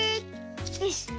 よし。